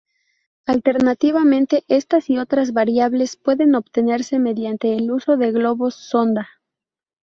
Alternativamente, estas y otras variables pueden obtenerse mediante el uso de globos sonda.